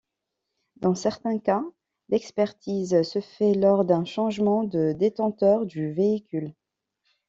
Dans certains cas, l'expertise se fait lors d'un changement de détenteur du véhicule.